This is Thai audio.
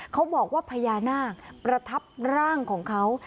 เขาบอกว่าพญานาคประทับร่างของเขา